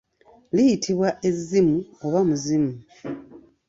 Liyitibwa ezzimu oba muzimu.